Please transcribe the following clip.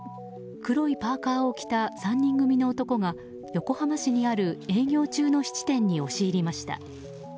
黒いパーカを着た３人組の男が横浜市にある営業中の質店に押し入りました。